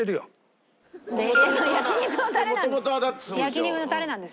焼肉のタレなんで。